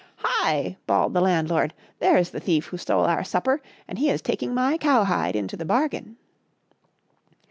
" Hi !" bawled the landlord, " there is the thief who stole our supper, and he is taking my cowhide into the bargain."